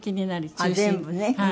ああ全部ね。